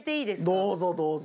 どうぞどうぞ。